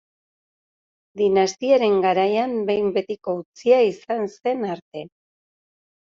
Dinastiaren garaian behin betiko utzia izan zen arte.